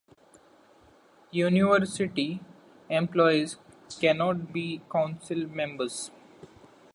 University employees cannot be Council members.